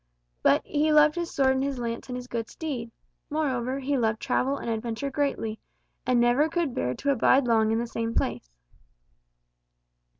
But he loved his sword and his lance and his good steed. Moreover, he loved travel and adventure greatly, and never could bear to abide long in the same place."